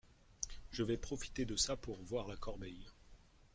Je vais profiter de ça pour voir la corbeille…